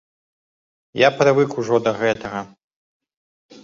Я прывык ужо да гэтага.